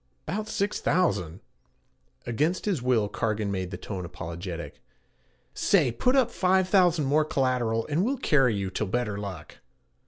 ''Bout six thousand' against his will Cargan made the tone apologetic. 'Say, put up only five thousand more collateral and we'll carry you till better luck.'